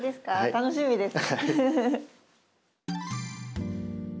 楽しみです。